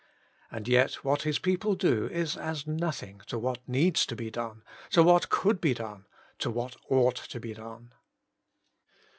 And yet what His people do is as nothing to what needs to be done, to what could be done, to what ought to be done.